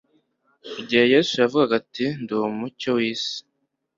igihe Yesu yavugaga ati: "ndi Umucyo w'isi",